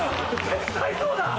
絶対そうだ！